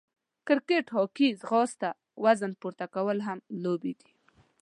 کرکېټ، هاکې، ځغاسته، وزن پورته کول هم لوبې دي.